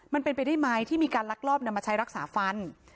มันเป็นไปได้ไหมที่มีการลักลอบนำมาใช้รักษาฟัน